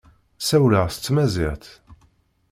Ssawleɣ s tmaziɣt.